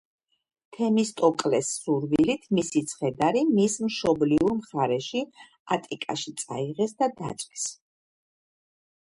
თემისტოკლეს სურვილით, მისი ცხედარი მის მშობლიურ მხარეში, ატიკაში წაიღეს და დაწვეს.